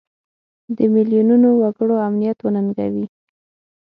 د میلیونونو وګړو امنیت وننګوي.